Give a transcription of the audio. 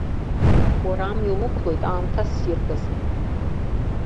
Уара амҩа уқәлоит аамҭа ссирк азы.